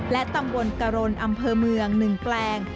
และตำบลกรณอำเภอเมือง๑แปลง